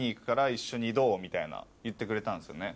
みたいな言ってくれたんですよね。